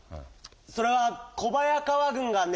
それは小早川軍がね